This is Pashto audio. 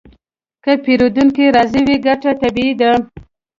که پیرودونکی راضي وي، ګټه طبیعي ده.